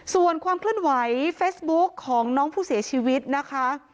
ส่วนความเคลื่อนไหวเฟซบุ๊คของน้องผู้เสียชีวิตนะคะ